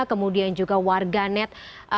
kemudian juga warga net